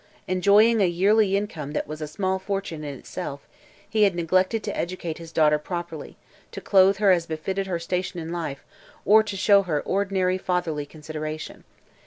Enjoying a yearly income that was a small fortune in itself, he had neglected to educate his daughter properly, to clothe her as befitted her station in life or to show her ordinary fatherly consideration.